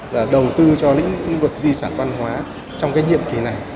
là đầu tư cho lĩnh vực di sản văn hóa trong cái nhiệm kỳ này